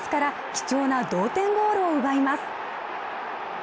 貴重な同点ゴールを奪います。